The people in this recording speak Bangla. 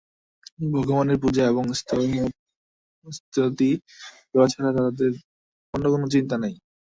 ভগবানের পূজা এবং স্তবস্তুতি করা ছাড়া তাঁহাদের অন্য কোন চিন্তা নাই।